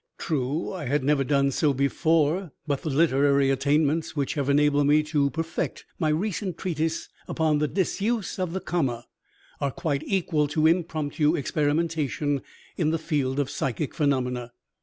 True, I had never done so before, but the literary attainments which have enabled me to perfect my recent treatise upon the 'Disuse of the Comma' are quite equal to impromptu experimentation in the field of psychic phenomena."